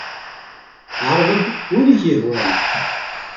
Ɛreḍ-d win ay ak-yehwan.